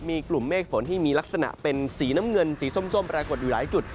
มีกลุ่มเมฆฝนที่มีลักษณะเป็นสีน้ำเงินสีส้มปรากฏอยู่หลายจุด